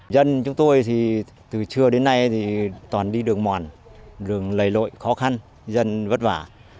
dân chúng tôi từ trưa đến nay toàn đi đường mòn đường lầy lội khó khăn dân vất vả